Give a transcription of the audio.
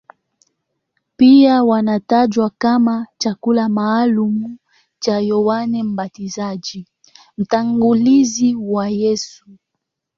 Pia wanatajwa kama chakula maalumu cha Yohane Mbatizaji, mtangulizi wa Yesu.